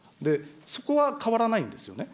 そこは変わらないんですよね。